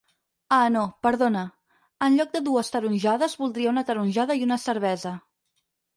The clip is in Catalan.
Ah no perdona, enlloc de dues taronjades, voldria una taronjada i una cervesa.